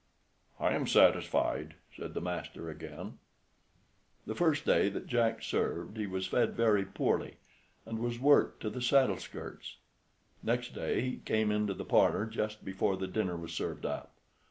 "I am satisfied," said the master again. The first day that Jack served he was fed very poorly, and was worked to the saddleskirts. Next day he came into the parlor just before the dinner was served up.